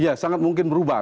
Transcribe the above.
iya sangat mungkin berubah